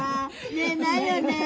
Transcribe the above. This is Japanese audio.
見えないよねぇ？